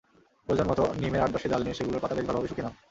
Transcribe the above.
প্রয়োজনমতো নিমের আট-দশটি ডাল নিয়ে সেগুলোর পাতা বেশ ভালোভাবে শুকিয়ে নাও।